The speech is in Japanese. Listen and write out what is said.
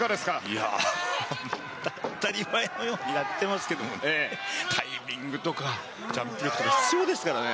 いやぁ、当たり前のようにやってますけども、タイミングとか、ジャンプ力とか必要ですからね。